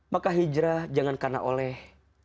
maka hijrah jangan karena oleh